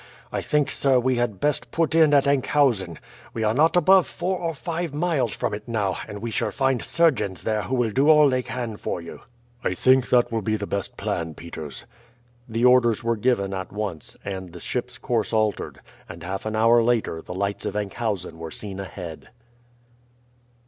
I think, sir, we had best put in at Enkhuizen. We are not above four or five miles from it now, and we shall find surgeons there who will do all they can for you." "I think that will be the best plan, Peters." The orders were given at once, and the ship's course altered, and half an hour later the lights of Enkhuizen were seen ahead.